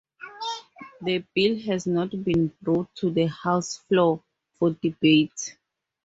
The bill has not been brought to the House floor for debate.